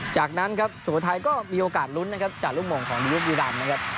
จากนั้นครับสุโขทัยก็มีโอกาสลุ้นนะครับจากลูกหม่งของดีลูกบุรีรำนะครับ